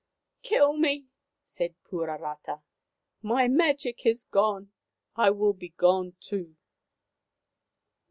" Kill me," said Puarata. " My magic is gone. I would be gone, too."